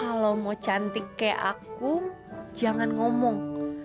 kalau mau cantik kayak aku jangan ngomong